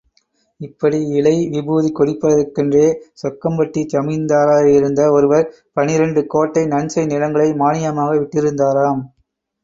இப்படி இலை விபூதி கொடுப்பதற்கென்றே சொக்கம்பட்டி ஜமீன்தாராயிருந்த ஒருவர் பனிரண்டு கோட்டை நன்செய் நிலங்களை மானியமாக விட்டிருந்தாராம்.